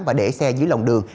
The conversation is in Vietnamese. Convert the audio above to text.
và để xe dưới lòng đường